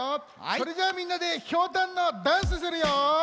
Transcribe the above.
それじゃあみんなでひょうたんのダンスするよ！